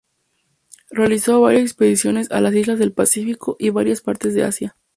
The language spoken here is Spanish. Realizó varias expediciones a las islas del Pacífico y varias partes de Asia.